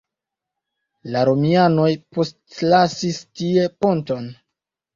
La romianoj postlasis tie ponton.